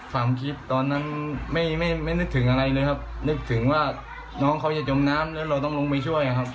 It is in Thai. ความคิดตอนนั้นไม่ไม่นึกถึงอะไรเลยครับนึกถึงว่าน้องเขาจะจมน้ำแล้วเราต้องลงไปช่วยครับ